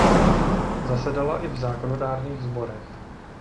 Zasedala i v zákonodárných sborech.